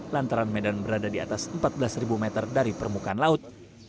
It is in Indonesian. lantaran medan berada di atas empat belas meter dari permukaan laut